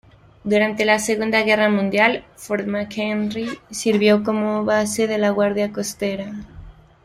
Durante la Segunda Guerra Mundial, Fort McHenry sirvió como base de la Guardia Costera.